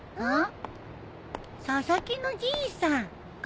佐々木のじいさん。